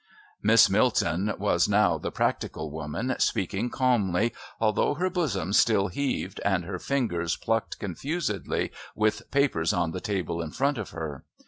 Miss Milton, was now the practical woman, speaking calmly, although her bosom still heaved and her fingers plucked confusedly with papers on the table in front of her.